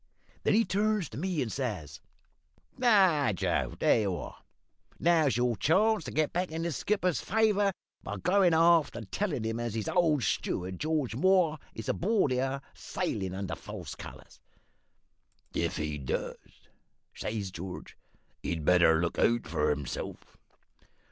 Then he turns to me and says "`Now, Joe, there you are! Now's your chance to get back the skipper's favour by goin' aft and tellin' him as his old steward, George Moore, is aboard here, sailin' under false colours.' "`If he does,' says George, `he'd better look out for hisself!'